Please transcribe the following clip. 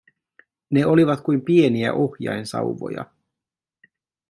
Ne olivat kuin pieniä ohjainsauvoja.